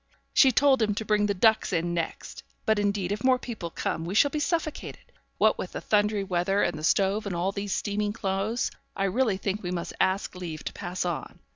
'She told him to bring the ducks in next; but indeed if more people come we shall be suffocated. What with the thundery weather, and the stove, and all these steaming clothes, I really think we must ask leave to pass on.